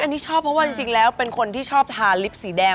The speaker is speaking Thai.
อันนี้ชอบเพราะว่าจริงแล้วเป็นคนที่ชอบทานลิฟต์สีแดง